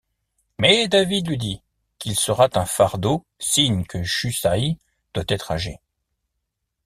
Mais David lui dit qu'il sera un fardeau, signe que Chusaï doit être âgé.